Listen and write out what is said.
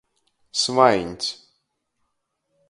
Svaiņs.